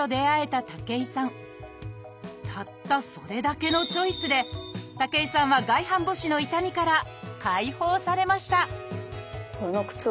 たったそれだけのチョイスで武井さんは外反母趾の痛みから解放されました